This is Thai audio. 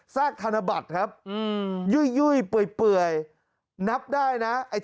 ธนบัตรครับยุ่ยเปื่อยนับได้นะ